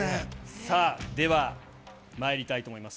さあ、ではまいりたいと思います。